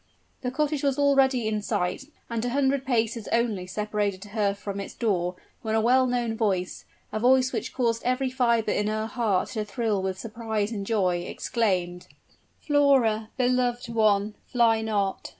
The cottage was already in sight, and a hundred paces only separated her from its door, when a well known voice a voice which caused every fiber in her heart to thrill with surprise and joy exclaimed: "Flora! beloved one; fly not!